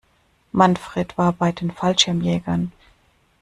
Manfred war bei den Fallschirmjägern.